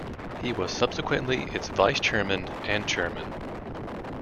He was subsequently its Vice-Chairman and Chairman.